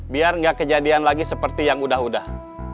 biar nggak kejadian lagi seperti yang udah udah